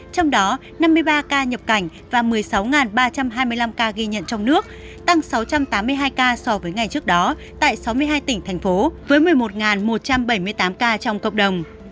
trong đó năm mươi ba ca nhập cảnh và một mươi sáu ba trăm hai mươi năm ca ghi nhận trong nước tăng sáu trăm tám mươi hai ca so với ngày trước đó tại sáu mươi hai tỉnh thành phố với một mươi một một trăm bảy mươi tám ca trong cộng đồng